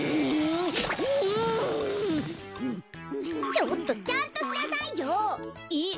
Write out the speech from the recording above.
ちょっとちゃんとしなさいよ。え？